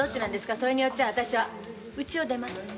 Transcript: それによっちゃ私はうちを出ます。